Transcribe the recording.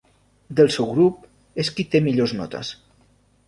Del seu grup, és qui té millors notes.